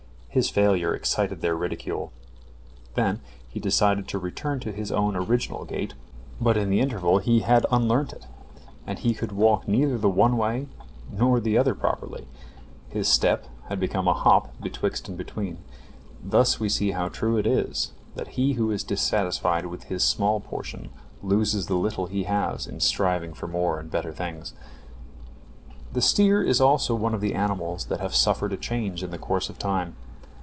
His failure excited their ridicule. Then he decided to return to his own original gait, but in the interval he had unlearnt it, and he could walk neither the one way nor the other properly. His step had become a hop betwixt and between. Thus we see how true it is, that he who is dissatisfied with his small portion loses the little he has in striving for more and better things. The steer is also one of the animals that have suffered a change in the course of time.